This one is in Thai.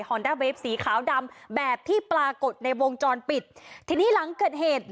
อนด้าเวฟสีขาวดำแบบที่ปรากฏในวงจรปิดทีนี้หลังเกิดเหตุ